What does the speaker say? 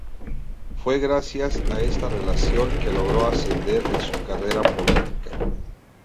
Fue gracias a esta relación que logró ascender en su carrera política.